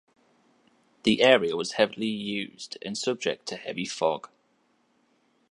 The area was heavily used and subject to heavy fog.